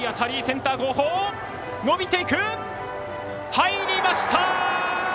入りました！